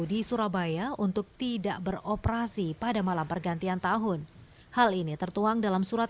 di surabaya untuk tidak beroperasi pada malam pergantian tahun hal ini tertuang dalam surat